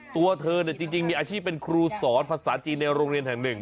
ตัวเธอจริงมีอาชีพเป็นครูสอนภาษาจีนในโรงเรียนแห่งหนึ่ง